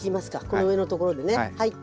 この上のところでねはい。